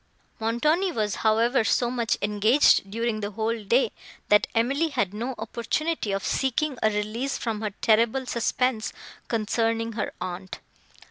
Montoni was, however, so much engaged, during the whole day, that Emily had no opportunity of seeking a release from her terrible suspense, concerning her aunt.